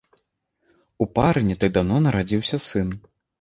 У пары не так даўно нарадзіўся сын.